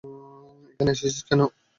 এখানে এসেছিস কেন?